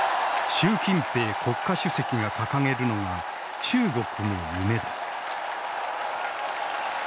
習近平国家主席が掲げるのが「中国の夢」だ。